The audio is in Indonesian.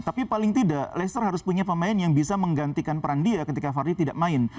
tapi paling tidak leicester harus punya pemain yang bisa menggantikan peran dia ketika vardy tidak main